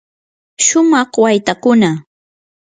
shumaq waytakuna.